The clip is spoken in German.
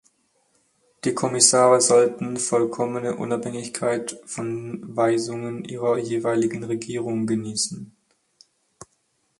Die Kommissare sollten vollkommene Unabhängigkeit von Weisungen ihrer jeweiligen Regierung genießen.